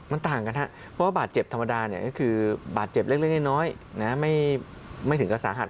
เพราะว่าบาดเจ็บธรรมดานี่คือบาดเจ็บเล็กน้อยไม่ถึงกับสาหัส